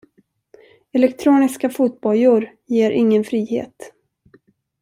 Elektroniska fotbojor ger ingen frihet.